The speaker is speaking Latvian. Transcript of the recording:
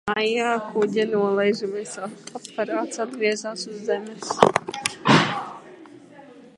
Maijā kuģa nolaižamais aparāts atgriezās uz zemes.